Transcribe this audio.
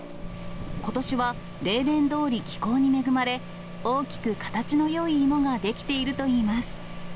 ことしは例年どおり気候に恵まれ、大きく形のよい芋が出来ているといいます。